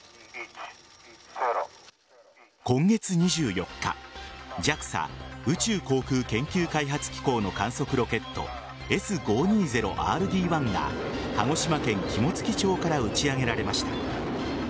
今月２４日ＪＡＸＡ＝宇宙航空研究開発機構の観測ロケットＳ‐５２０‐ＲＤ１が鹿児島県肝付町から打ち上げられました。